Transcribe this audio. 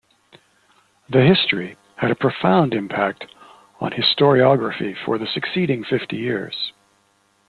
The "History" had a profound impact on historiography for the succeeding fifty years.